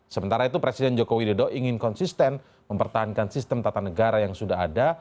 sementara itu presiden joko widodo ingin konsisten mempertahankan sistem tata negara yang sudah ada